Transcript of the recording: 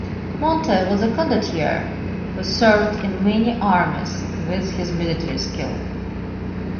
Monte was a "condottiere" who served in many armies with his military skill.